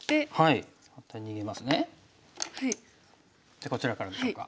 でこちらからでしょうか。